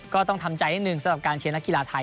ก็ต้องทำใจนิดหนึ่งสำหรับการเชียร์นักกีฬาไทย